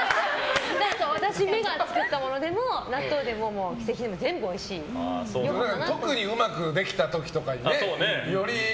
私が作ったものでも納豆でも特にうまくできたときとかにね。